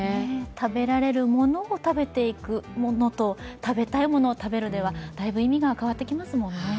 食べられるものを食べていくものと、食べたいものを食べるではだいぶ意味が変わってきますもんね。